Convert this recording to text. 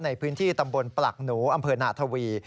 ในพื้นที่ตำบลปลักหนูอำเภอนาทวี